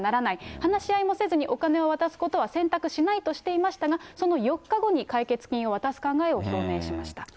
話し合いもせずにお金を渡すことは選択しないとしていましたが、その４日後に、解決金を渡す考えを表明しました。